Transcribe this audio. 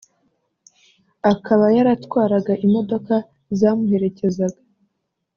akaba yaratwaraga imodoka zamuherekezaga